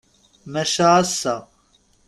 Maca ass-a.